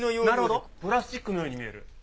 なるほどプラスチックのように見える。